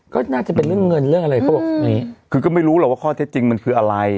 ก็น่าจะเป็นเรื่องเงินเรื่องอะไรเขาบอกอย่างงี้คือก็ไม่รู้หรอกว่าข้อเท็จจริงมันคืออะไร